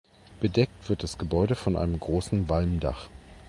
Bedeckt wird das Gebäude von einem großen Walmdach.